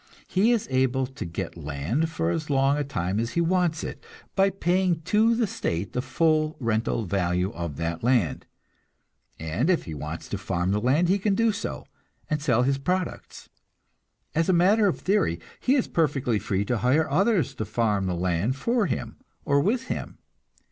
He is able to get land for as long a time as he wants it, by paying to the state the full rental value of that land, and if he wants to farm the land, he can do so, and sell his products. As a matter of theory, he is perfectly free to hire others to farm the land for him, or with him.